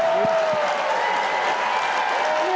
สุดท้ายแล้ว